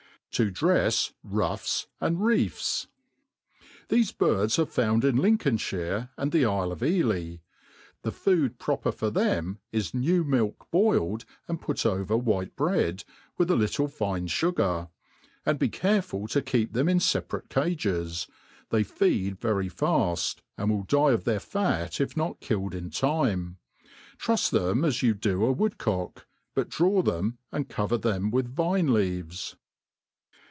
To drift Ruffs arid Reifs. THESE birds are found in Lincolnihire and the Ifle o^ Ely; the food (Proper for them is new milk boiled, and put over white*bread, with a little fine fugar } and be careful to keep them in feparate cages : they feed very faft, and will die of their fat if not killed in time : trufs.them as you do a Wood* cock^ but draw them, and cover them with vine leaves.